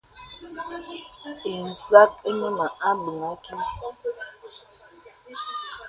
Ìsak ìnə mə abəŋ kìlì.